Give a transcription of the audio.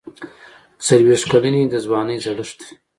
څلوېښت کلني د ځوانۍ زړښت دی.